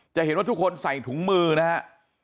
จะเห็นว่าทุกคนใส่ถุงมือนะฮะ